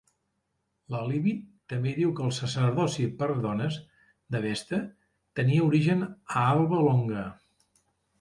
La Livy també diu que el sacerdoci per dones de Vesta tenia origen a Alba Longa.